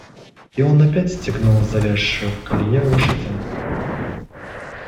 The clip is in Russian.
И он опять стегнул завязшую в колее лошаденку.